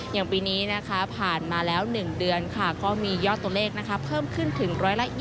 อย่างปีนี้นะคะผ่านมาแล้ว๑เดือนค่ะก็มียอดตัวเลขเพิ่มขึ้นถึง๑๒๐